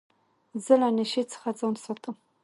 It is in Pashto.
زه له نشې څخه ځان ساتم.